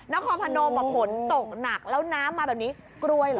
นครพนมฝนตกหนักแล้วน้ำมาแบบนี้กรวยเหรอ